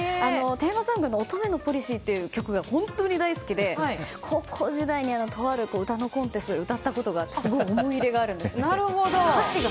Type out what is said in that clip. テーマソングの「乙女のポリシー」が本当に大好きで、高校時代にとある歌のコンテストで歌ったことがあってすごい思い出があるんです。